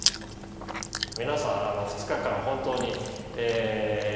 皆さん２日間本当にえ